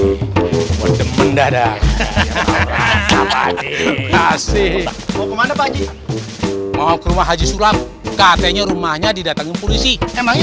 kasih mau kemana pakcik mau ke rumah haji sulam katanya rumahnya didatengin polisi emangnya